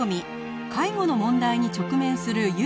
介護の問題に直面するゆりあ